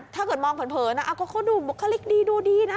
ถ้าเกิดมองเผินก็เขาดูบุคลิกดีดูดีนะ